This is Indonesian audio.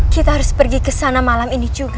kita harus pergi ke sana malam